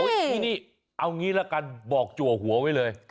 เอาอย่างนี้ละกันบอกจัวหัวไว้เลย